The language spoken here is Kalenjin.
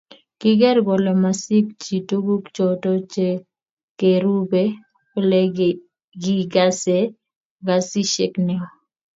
Kigeer kole masikchi tuguk choto chegerube, olegigase kesishek neo